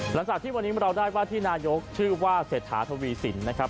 หลังจากที่วันนี้เราได้ว่าที่นายกชื่อว่าเศรษฐาทวีสินนะครับ